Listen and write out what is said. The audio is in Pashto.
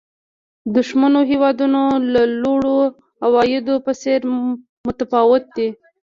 د شتمنو هېوادونو د لوړو عوایدو په څېر متفاوت دي.